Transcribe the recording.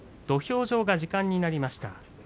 土俵上は時間になりました。